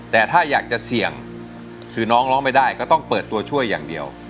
แต่ถ้าอยากจะเสี่ยงคือน้องร้องไม่ได้ก็ต้องเปิดตัวช่วยอย่างเดียว